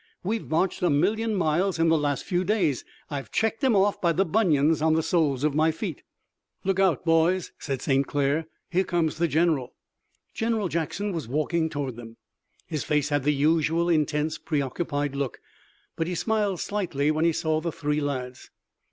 We've marched a million miles in the last few days. I've checked 'em off by the bunions on the soles of my feet." "Look out, boys," said St. Clair. "Here comes the general!" General Jackson was walking toward them. His face had the usual intense, preoccupied look, but he smiled slightly when he saw the three lads.